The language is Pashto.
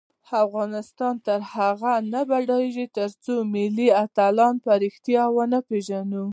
افغانستان تر هغو نه ابادیږي، ترڅو ملي اتلان په ریښتیا ونه پیژنو.